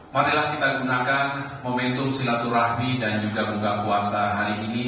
marilah kita gunakan momentum silaturahmi dan juga buka puasa hari ini